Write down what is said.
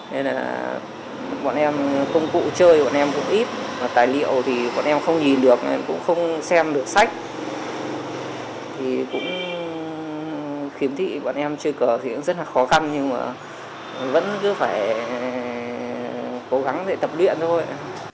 nên là bọn em công cụ chơi bọn em cũng ít tài liệu thì bọn em không nhìn được cũng không xem được sách thì cũng khiếm thị bọn em chơi cờ thì cũng rất là khó khăn nhưng mà vẫn cứ phải cố gắng để tập luyện thôi